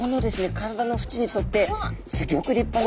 体の縁にそってすギョく立派な。